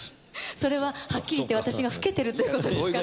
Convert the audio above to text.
それははっきり言って私が老けてるってことですか？